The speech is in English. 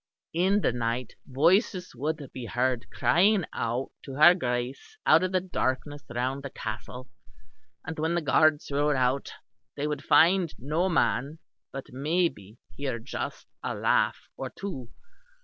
In the night voices would be heard crying out to her Grace out of the darkness round the castle; and when the guards rode out they would find no man but maybe hear just a laugh or two.